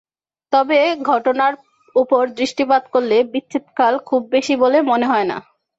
তবে ঘটনার উপর দৃষ্টিপাত করলে বিচ্ছেদকাল খুব বেশি বলে মনে হয় না।